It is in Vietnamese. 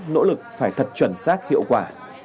nỗ lực phải thật chuẩn xác hiệu quả